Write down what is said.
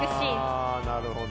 ああなるほど。